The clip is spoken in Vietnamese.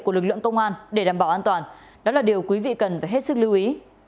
của lực lượng công an để đảm bảo an toàn đó là điều quý vị cần phải hết sức lưu ý